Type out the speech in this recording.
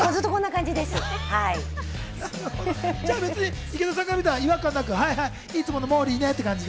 じゃあ別に池田さんから見たら違和感なく、はいはい、いつものモーリーねって感じ。